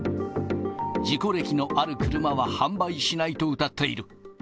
事故歴のある車は販売しないとうたっている。